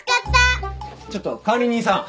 ちょっと管理人さん。